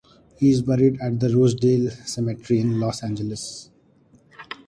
He is buried at the Rosedale Cemetery in Los Angeles.